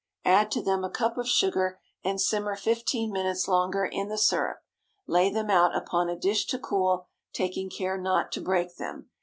Add to them a cup of sugar, and simmer fifteen minutes longer in the syrup. Lay them out upon a dish to cool, taking care not to break them.